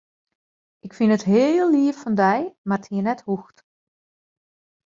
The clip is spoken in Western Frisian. Ik fyn it hiel leaf fan dy, mar it hie net hoegd.